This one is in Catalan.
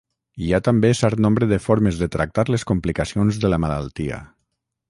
Hi ha també cert nombre de formes de tractar les complicacions de la malaltia.